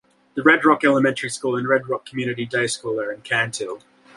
The Red Rock Elementary School and Red Rock Community Day School are in Cantil.